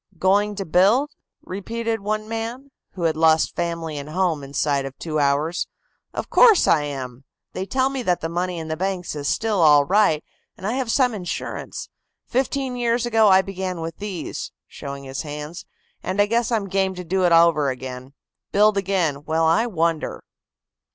"Going to build?" repeated one man, who had lost family and home inside of two hours. "Of course, I am. They tell me that the money in the banks is still all right, and I have some insurance. Fifteen years ago I began with these," showing his hands, "and I guess I'm game to do it over again. Build again, well I wonder."